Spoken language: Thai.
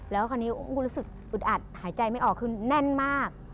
แล้วคราวนี้อุ้มรู้สึกอึดอัดหายใจไม่ออกคือแน่นมาก